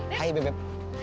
ah hai bebep